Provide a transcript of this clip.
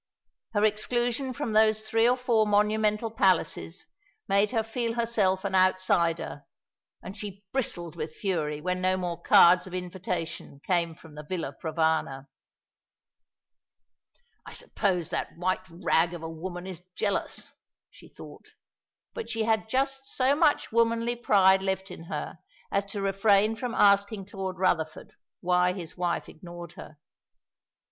Her exclusion from those three or four monumental palaces made her feel herself an outsider; and she bristled with fury when no more cards of invitation came from the Villa Provana. "I suppose that white rag of a woman is jealous," she thought; but she had just so much womanly pride left in her as to refrain from asking Claude Rutherford why his wife ignored her.